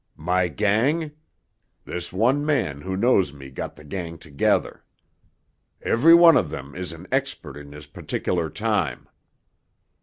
"My gang? This one man who knows me got the gang together. Every one of them is an expert in his particular time.